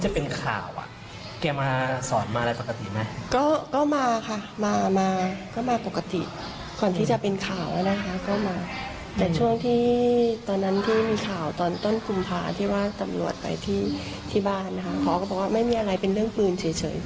บ้านของคุณไม่มีอะไรเป็นเรื่องเบื้นเฉย